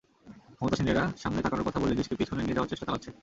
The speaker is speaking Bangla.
ক্ষমতাসীনেরা সামনে তাকানোর কথা বলে দেশকে পেছনে নিয়ে যাওয়ার চেষ্টা চালাচ্ছেন।